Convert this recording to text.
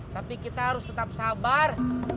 tapi kita harus tetap sabar